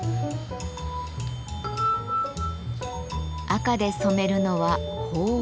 赤で染めるのは鳳凰。